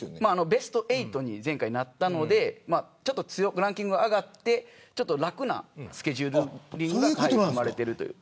ベスト８に前回なったのでランキングが上がって楽なスケジューリングが生まれているという。